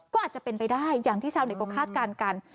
ก็อาจจะเป็นไปได้อย่างที่ชาวเน็ตก็คาดการณ์กัน